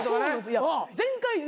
前回ね